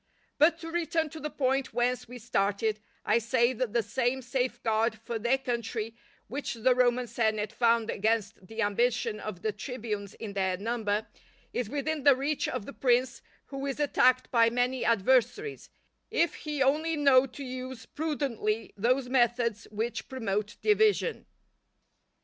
But to return to the point whence we started, I say that the same safeguard for their country which the Roman senate found against the ambition of the tribunes in their number, is within the reach of the prince who is attacked by many adversaries, if he only know to use prudently those methods which promote division.